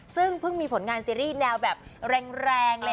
ซึ่งเพิ่งมีผลงานซีรีส์แนวแบบแรงอะไรอย่างนี้